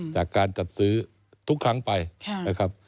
จากการจัดซื้อทุกครั้งไปนะครับ